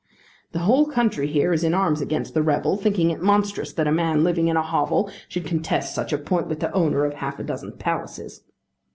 The whole country here is in arms against the rebel, thinking it monstrous that a man living in a hovel should contest such a point with the owner of half a dozen palaces.